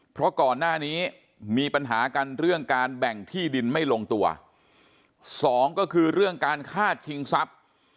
เพราะก่อนหน้านี้มีปัญหากันเรื่องการแบ่งที่ดินไม่ลงตัวสองก็คือเรื่องการฆ่าชิงทรัพย์